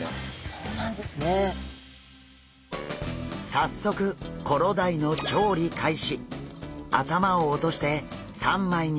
早速コロダイの調理開始！